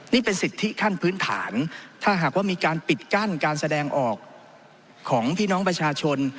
นี่เป็นสิทธิขั้นพื้นฐานถ้าหากว่ามีการปิดกั้นการแสดงออกของพี่น้องประชาชน